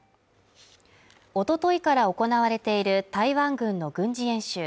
おとといから行われている台湾軍の軍事演習